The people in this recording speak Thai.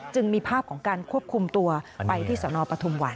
จึงมีภาพของการควบคุมตัวไปที่สนปฐุมวัน